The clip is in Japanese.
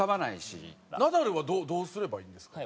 ナダルはどうすればいいんですか？